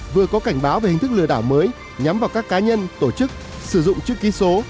vừa có cảnh báo về hình thức lừa đảo mới nhắm vào các cá nhân tổ chức sử dụng chữ ký số